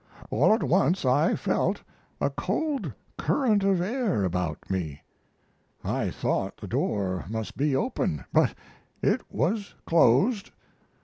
All at once I felt a cold current of air about me. I thought the door must be open; but it was closed.